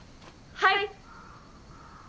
はい！